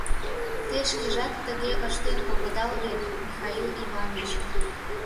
Те шкежат тыге ыштен огыдал вет, Михаил Иваныч.